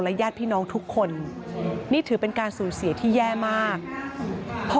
ญาติพี่น้องทุกคนนี่ถือเป็นการสูญเสียที่แย่มากพอ